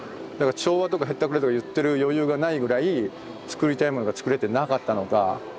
だから調和とかへったくれとか言ってる余裕がないぐらい造りたいものが造れてなかったのか。